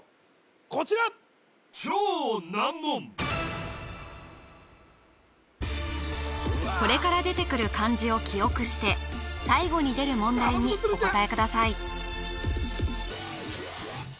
こちらこれから出てくる漢字を記憶して最後に出る問題にお答え